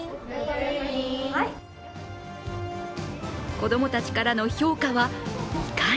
子供たちからの評価はいかに？